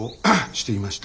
していました。